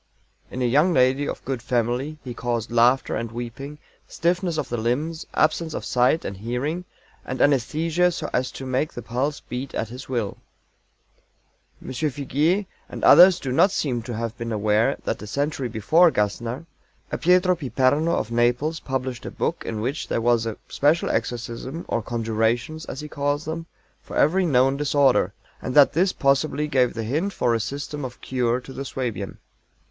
"'In a young lady of good family' he caused laughter and weeping, stiffness of the limbs, absence of sight and hearing, and anæsthesia so as to make the pulse beat at his will." M. FIGUIER and others do not seem to have been aware that a century before GASSNER, a PIETRO PIPERNO of Naples published a book in which there was a special exorcism or conjurations, as he calls them, for every known disorder, and that this possibly gave the hint for a system of cure to the Suabian.